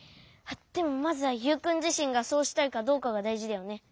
あっでもまずはユウくんじしんがそうしたいかどうかがだいじだよね。